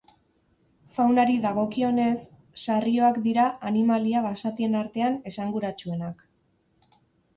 Faunari dagokionez, sarrioak dira animalia basatien artean esanguratsuenak.